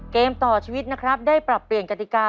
เกมต่อชีวิตนะครับได้ปรับเปลี่ยนกติกา